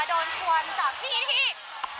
โดนชวนจากที่ถือ